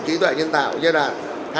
trí tuệ nhân tạo giai đoạn